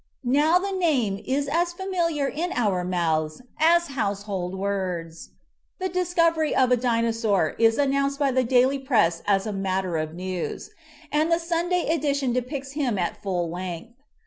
Now the name is as familiar in our mouths as household words; the discovery of a Dinosaur is announced by the daily press as a matter of news, and the Sunday edition depicts him at full length.